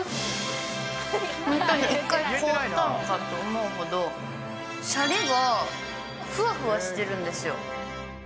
本当に一回凍ったのかの思うほど、シャリがふわふわしてるんですよ。